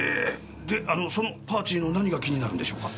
であのその「パーチー」の何が気になるんでしょうか？